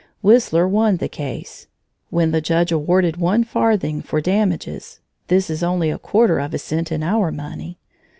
Whistler won the case. When the judge awarded one farthing for damages (this is only a quarter of a cent in our money!)